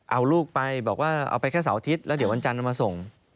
เอาลูกไปบอกว่าเอาไปแค่เสาร์อาทิตย์แล้วเดี๋ยววันจันทร์เอามาส่ง